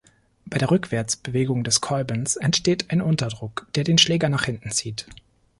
Bei der Rückwärtsbewegung des Kolbens entsteht ein Unterdruck, der den Schläger nach hinten zieht.